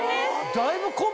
だいぶ。